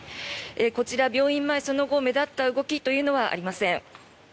こちら、病院前その後、目立った動きというのはありません。